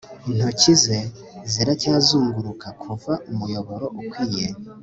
intoki ze ziracyazunguruka kuva umuyoboro ukwiye